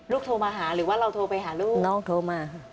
โทรมาหาหรือว่าเราโทรไปหาลูกน้องโทรมา